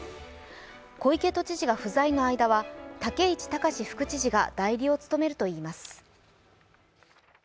小池都知事が不在の間は武市敬副知事が代理を務めるといいます。